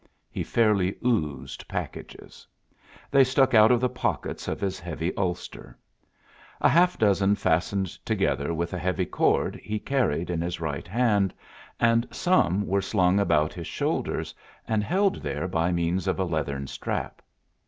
He fairly oozed packages. They stuck out of the pockets of his heavy ulster. A half dozen fastened together with a heavy cord he carried in his right hand, and some were slung about his shoulders, and held there by means of a leathern strap.